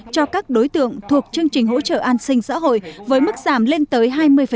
cho các đối tượng thuộc chương trình hỗ trợ an sinh xã hội với mức giảm lên tới hai mươi